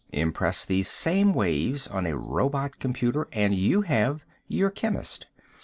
Impress these same waves on a robot computer and you have your chemist.